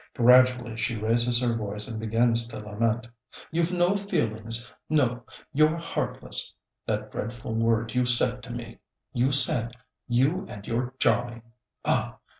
Gradually she raises her voice and begins to lament. "You've no feelings, no you're heartless, that dreadful word you said to me, you said, 'You and your jawing!' Ah!